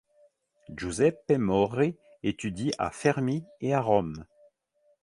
Giuseppe Mori étudie à Fermi et à Rome.